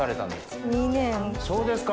そうですか？